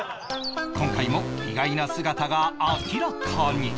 今回も意外な姿が明らかに